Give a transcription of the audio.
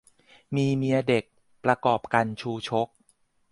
มีเมียเด็ก ประกอบกัณฑ์ชูชก